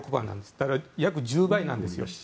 だから、約１０倍なんですよ。